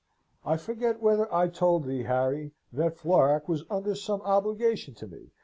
I forget whether I told thee Harry, that Florac was under some obligation to me.